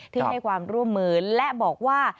ที่ให้ความร่วมมือและบอกว่า